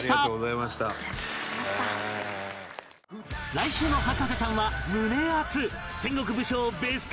来週の『博士ちゃん』は胸キュン。